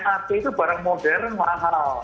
at itu barang modern mahal